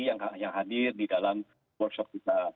yang hadir di dalam workshop kita